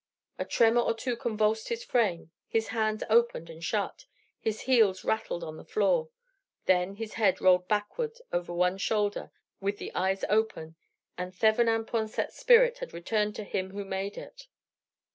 A tremor or two convulsed his frame; his hands opened and shut, his heels rattled on the floor; then his head rolled backward over one shoulder with the eyes open, and Thevenin Pensete's spirit had returned to Him who made it.